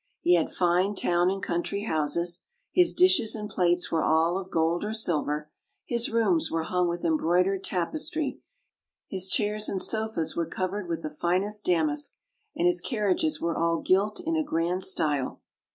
He had fine town and country houses; his dishes and plates were all of gold or silver; his rooms were hung with em broidered tapestry; his chairs and sofas were covered with the finest damask, and his carriages were all gilt in a grand style.